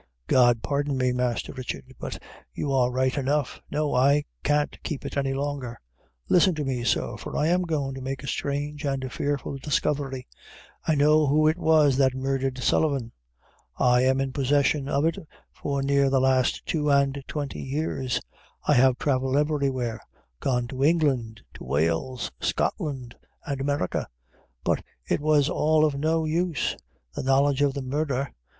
"God pardon me, Masther Richard, but you are right enough. No; I can't keep it any longer. Listen to me, sir, for I am goin' to make a strange and a fearful discovery; I know who it was that murdhered Sullivan; I'm in possession of it for near the last two an' twenty years; I have travelled every where; gone to England, to Wales, Scotland, an' America, but it was all of no use; the knowledge of the murdher!